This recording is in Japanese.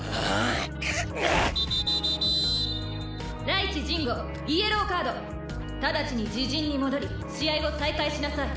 「雷市陣吾イエローカード」「直ちに自陣に戻り試合を再開しなさい」